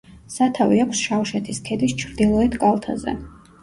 სათავე აქვს შავშეთის ქედის ჩრდილოეთ კალთაზე.